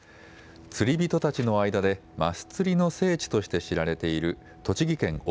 釣り人たちの間でマス釣りの聖地として知られている栃木県奥